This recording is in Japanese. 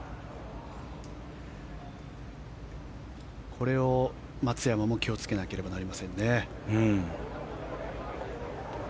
これを松山も気をつけなければなりませんね。